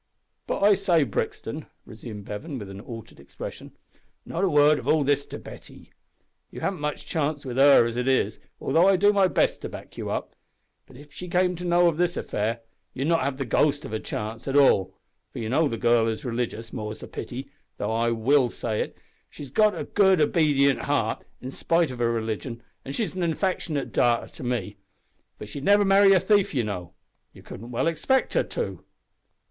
"But I say, Brixton," resumed Bevan, with an altered expression, "not a word of all this to Betty. You haven't much chance with her as it is, although I do my best to back you up; but if she came to know of this affair, you'd not have the ghost of a chance at all for you know the gal is religious, more's the pity, though I will say it, she's a good obedient gal, in spite of her religion, an' a 'fectionate darter to me. But she'd never marry a thief, you know. You couldn't well expect her to."